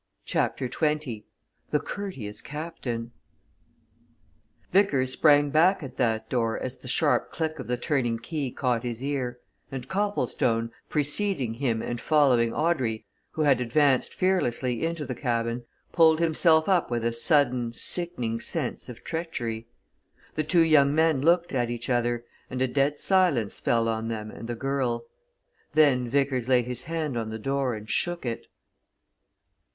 CHAPTER XX THE COURTEOUS CAPTAIN Vickers sprang back at that door as the sharp click of the turning key caught his ear, and Copplestone, preceding him and following Audrey, who had advanced fearlessly into the cabin, pulled himself up with a sudden, sickening sense of treachery. The two young men looked at each other, and a dead silence fell on them and the girl. Then Vickers laid his hand on the door and shook it.